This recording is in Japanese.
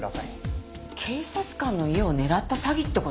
警察官の家を狙った詐欺って事？